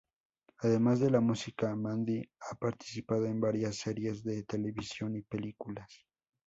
Además de la música, Mandy ha participado en varias series de televisión y películas.